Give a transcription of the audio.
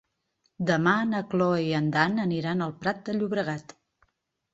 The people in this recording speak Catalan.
Demà na Cloè i en Dan aniran al Prat de Llobregat.